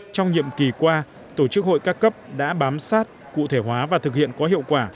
trong nhiệm kỳ qua tổ chức hội ca cấp đã bám sát cụ thể hóa và thực hiện có hiệu quả